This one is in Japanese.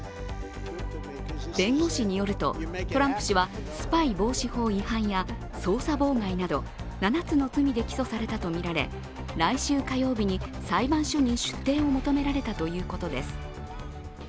弁護士によると、トランプ氏はスパイ防止法違反や捜査妨害など７つの罪で起訴されたとみられ来週火曜日に裁判所に出廷を求められたということです。